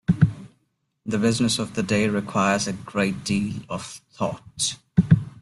The business of the day requires a great deal of thought.